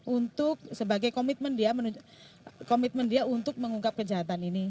untuk sebagai komitmen dia untuk mengungkap kejahatan ini